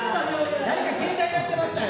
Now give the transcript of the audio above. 誰か携帯鳴ってましたよ！